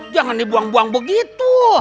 jangan dibuang buang begitu